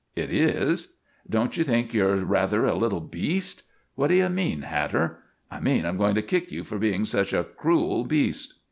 "It is." "Don't you think you're rather a little beast?" "What d' you mean, hatter?" "I mean I'm going to kick you for being such a cruel beast."